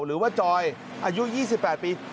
หรือว่าจอยอายุ๒๘ปี